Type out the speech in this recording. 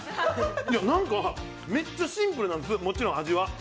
何かめっちゃシンプルなんです、もちろん味は。